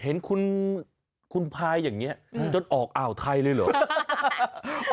เห็นคุณพายอย่างนี้จนออกอ่าวไทยเลยเหรอ